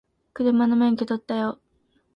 車の免許取ったよ